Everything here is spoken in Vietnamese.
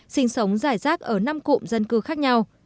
sinh sống rải rác ở năm cụm dân cư khác nhau